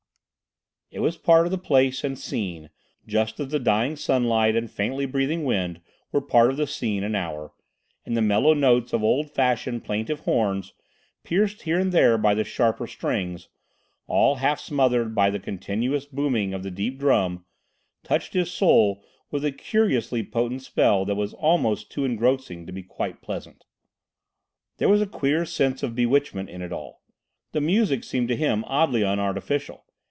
It was part of the place and scene, just as the dying sunlight and faintly breathing wind were part of the scene and hour, and the mellow notes of old fashioned plaintive horns, pierced here and there by the sharper strings, all half smothered by the continuous booming of the deep drum, touched his soul with a curiously potent spell that was almost too engrossing to be quite pleasant. There was a certain queer sense of bewitchment in it all. The music seemed to him oddly unartificial.